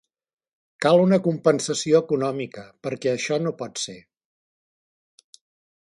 Cal una compensació econòmica perquè això no pot ser.